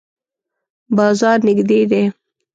بازار نږدې دی؟